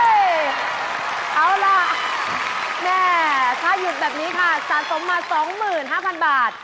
เอาล่ะแม่ถ้าหยุดแบบนี้ค่ะสะสมมา๒๕๐๐๐บาท